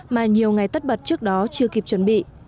mà nhiều ngày tất bật trước đó chưa kịp chuẩn bị